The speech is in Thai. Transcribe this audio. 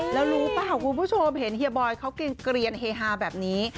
แล้วรู้เปล่าคุณผู้ชมเห็นเฮียบอยเขาเกลียนเฮฮาแบบนี้